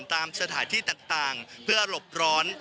ตามสถานที่ต่างเพื่อหลบร้อน